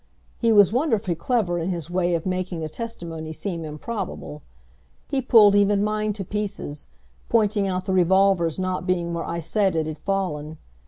He was wonderfully clever in his way of making the testimony seem improbable. He pulled even mine to pieces, pointing out the revolver's not being where I said it had fallen.